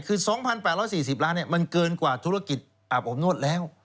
คือ๒๘๔๐ล้านมันเกินกว่าธุรกิจอาบอบนวดแล้ว